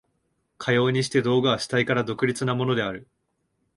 かようにして道具は主体から独立なものである。